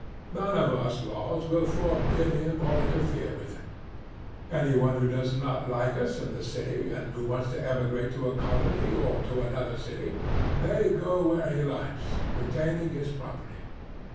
None of us laws will forbid him or interfere with him. Any one who does not like us and the city, and who wants to emigrate to a colony or to any other city, may go where he likes, retaining his property.